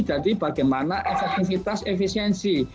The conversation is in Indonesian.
jadi bagaimana efektivitas efisiensi